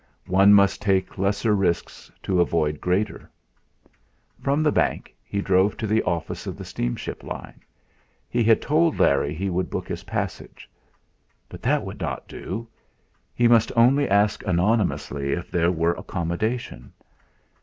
One must take lesser risks to avoid greater. From the bank he drove to the office of the steamship line. He had told Larry he would book his passage. But that would not do! He must only ask anonymously if there were accommodation.